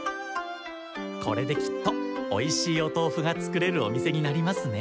これできっとおいしいお豆腐が作れるお店になりますね。